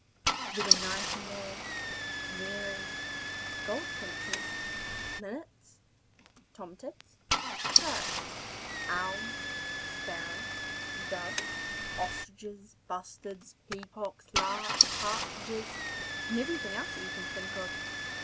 There were nightingales, canaries, goldfinches, linnets, tomtits, parrots, owls, sparrows, doves, ostriches, bustards, peacocks, larks, partridges, and everything else that you can think of.